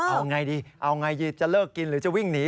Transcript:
เอาไงดีเอาไงดีจะเลิกกินหรือจะวิ่งหนี